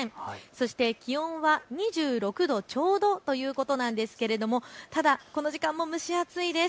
そして気温は２６度ちょうどということなんですがただ、この時間も蒸し暑いです。